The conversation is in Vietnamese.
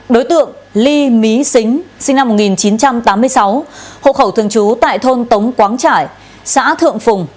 đối tượng ly mí xính sinh năm một nghìn chín trăm tám mươi sáu hộ khẩu thường trú tại thôn tống quáng trải xã thượng phùng